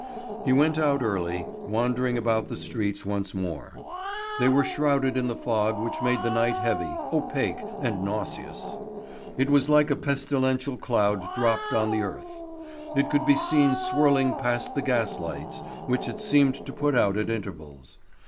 He went out early, wandering about the streets once more. They were shrouded in the fog which made the night heavy, opaque, and nauseous. It was like a pestilential cloud dropped on the earth. It could be seen swirling past the gas lights, which it seemed to put out at intervals.